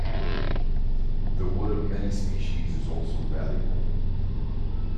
The wood of many species is also valuable.